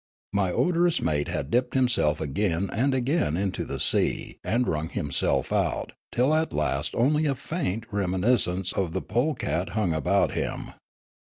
My odorous mate had dipped himself again and again into the sea and wrung himself out, till at last only a faint reminis cence of the polecat hung about him.